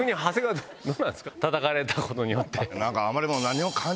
たたかれたことによって。